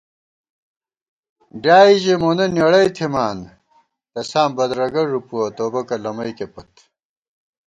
ڈیائے ژِی مونہ نېڑَئی تھِمان تساں بدرَگہ ݫُپُوَہ توبَکہ لَمَئیکےپت